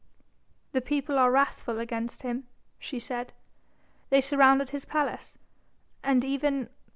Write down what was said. "The people are wrathful against him," she said; "they surrounded his palace, and even...."